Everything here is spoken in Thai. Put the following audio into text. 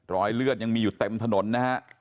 รอยเลือดยังมีอยู่เต็มถนนนะฮะ